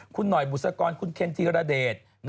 คุณหน่อยบุษกรคุณเคนธีรเดช